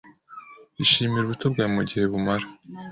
Ishimire ubuto bwawe mugihe bumara.